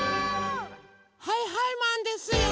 はいはいマンですよ！